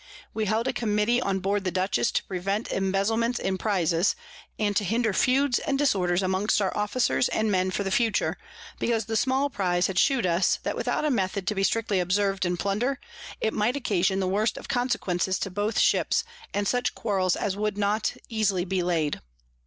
We held a Committee on board the Dutchess to prevent Embezlements in Prizes, and to hinder Feuds and Disorders amongst our Officers and Men for the future, because the small Prize had shew'd us, that without a Method to be strictly observ'd in Plunder, it might occasion the worst of Consequences to both Ships, and such Quarrels as would not easily be laid.